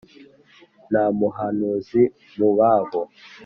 Nta muhanuzi mu babo